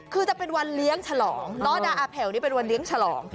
คือจะเป็นวันเลี้ยงฉลองน้อดาอาแผ่วนี่เป็นวันเลี้ยงฉลอง